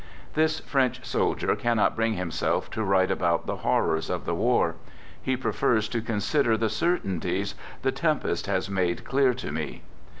This French soldier cannot bring himself to write about the horrors of the war. He prefers to con sider " the certainties the tempest has made clear to me."